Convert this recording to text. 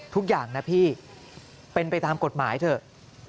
ทุกอย่างนะพี่เป็นไปตามกฎหมายเถอะ